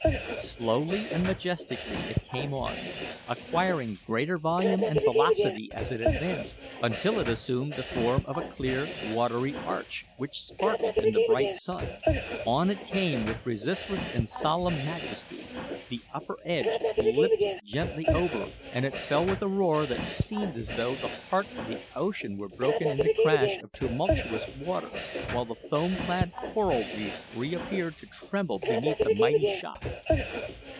Slowly and majestically it came on, acquiring greater volume and velocity as it advanced, until it assumed the form of a clear watery arch, which sparkled in the bright sun. On it came with resistless and solemn majesty, the upper edge lipped gently over, and it fell with a roar that seemed as though the heart of Ocean were broken in the crash of tumultuous water, while the foam clad coral reef appeared to tremble beneath the mighty shock!